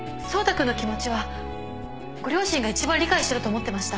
君の気持ちはご両親が一番理解してると思ってました